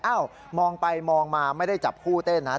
มองไปมองมาไม่ได้จับคู่เต้นนะ